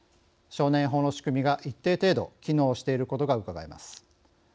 少年法の仕組みが一定程度機能していることがうかがえます。